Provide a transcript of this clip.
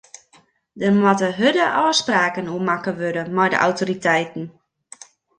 Dêr moatte hurde ôfspraken oer makke wurde mei de autoriteiten.